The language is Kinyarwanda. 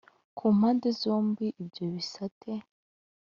ku mpande zombi ibyo bisate